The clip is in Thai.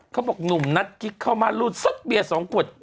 เขาบอกหนุ่มนัดกิ๊กเข้ามารูดซดเบียร์๒ขวด